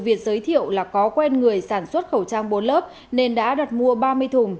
việt giới thiệu là có quen người sản xuất khẩu trang bốn lớp nên đã đặt mua ba mươi thùng